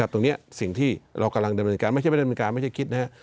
ตรงนี้สิ่งที่เรากำลังดำเนินการไม่ใช่ดำเนินการไม่ใช่คิดนะครับ